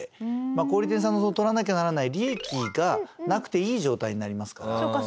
小売店さんの取らなきゃならない利益がなくていい状態になりますから。